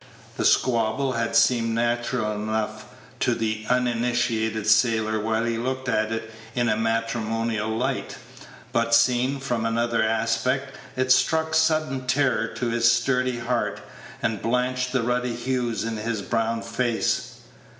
The squabble had seemed natural enough to the uninitiated sailor while he looked at it in a matrimonial light, but, seen from another aspect, it struck sudden terror to his sturdy heart, and blanched the ruddy hues in his brown face.